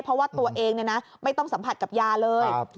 เพราะว่าตัวเองไม่ต้องสัมผัสกับยาเลย